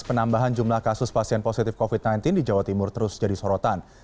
penambahan jumlah kasus pasien positif covid sembilan belas di jawa timur terus jadi sorotan